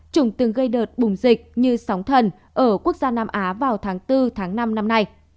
trùng từng gây đợt bùng dịch như sóng thần ở quốc gia nam á vào tháng bốn tháng năm năm nay